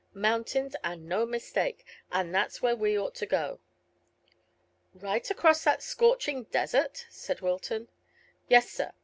Mountains, and no mistake, and that's where we ought to go." "Right across that scorching desert?" said Wilton. "Yes, sir.